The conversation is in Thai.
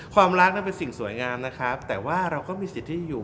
ความรักนั้นเป็นสิ่งสวยงามนะครับแต่ว่าเราก็มีสิทธิ์ที่อยู่